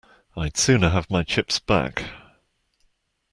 I'd sooner have my chips back.